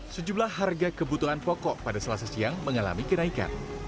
sejumlah harga kebutuhan pokok pada selasa siang mengalami kenaikan